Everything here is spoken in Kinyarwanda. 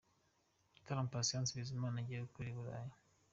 Igitaramo Patient Bizimana agiye gukorera i Burayi.